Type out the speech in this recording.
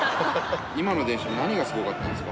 今の電車、何がすごかったんです